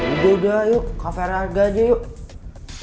udah udah yuk cafe arga aja yuk